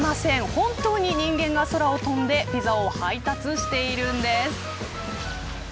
本当に人間が空を飛んでピザを配達しているんです。